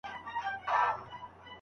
چي جنګ سوړ سو میری تود سو.